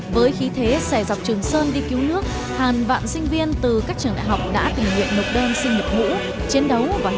với khí thế xẻ dọc trường sơn đi cứu nước hàng vạn sinh viên từ các trường đại học đã tình nguyện nộp đơn xin nhập ngũ chiến đấu và hy sinh